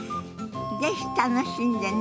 是非楽しんでね。